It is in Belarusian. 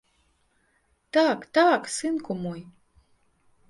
Так, так, сынку мой!